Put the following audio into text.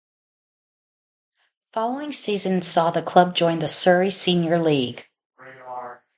The following season saw the club join the Surrey Senior League.